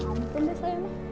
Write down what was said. gantung deh saya ini